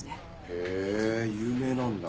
へえ有名なんだ。